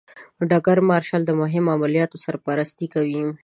ډګر مارشال د مهمو عملیاتو سرپرستي کوي.